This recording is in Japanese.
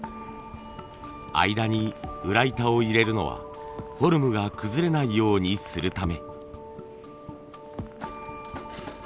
間に裏板を入れるのはフォルムが崩れないようにするため。